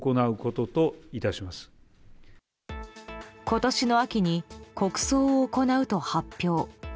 今年の秋に国葬を行うと発表。